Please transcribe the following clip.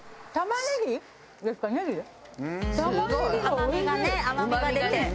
ねぎ？甘みがね甘みが出て。